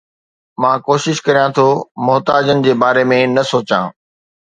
مان ڪوشش ڪريان ٿو محتاجن جي باري ۾ نه سوچان